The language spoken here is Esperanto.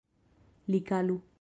Likalu!